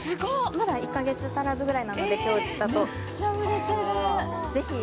まだ１か月足らずぐらいなのでめっちゃ売れてるすごい！